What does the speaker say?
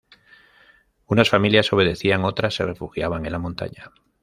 Unas familias obedecían; otras, se refugiaban en la montaña.